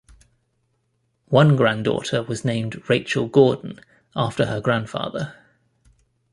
One granddaughter was named Rachael Gordon after her grandfather.